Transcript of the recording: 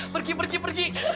pergi pergi pergi